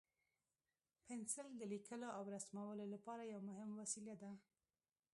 پنسل د لیکلو او رسمولو لپاره یو مهم وسیله ده.